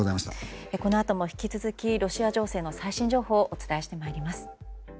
このあとも引き続きロシア情勢の最新情報をお伝えしてまいります。